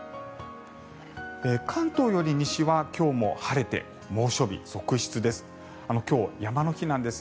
関東より西は今日も晴れて猛暑日続出です。